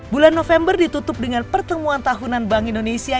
bulan november ditutup dengan pertemuan tahunan bank indonesia